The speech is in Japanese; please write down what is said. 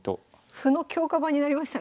歩の強化版になりましたね。